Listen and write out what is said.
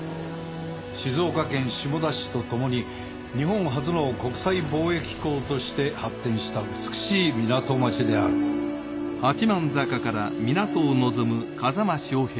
静岡県下田市とともに日本初の国際貿易港として発展した美しい港町であるこれこれ。